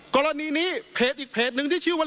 กรณีนี้เพจอีกเพจหนึ่งที่ชื่อว่า